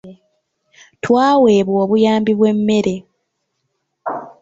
Twaweebwa obuyambi bw'emmere.